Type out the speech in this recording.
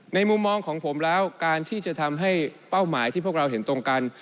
มุมมองของผมแล้วการที่จะทำให้เป้าหมายที่พวกเราเห็นตรงกัน